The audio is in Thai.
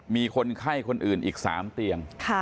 มีคนไข้คนอื่นอีก๓เตียง